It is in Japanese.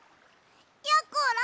やころ！